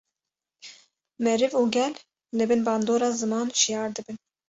meriv û gel li bin bandora ziman şiyar dibin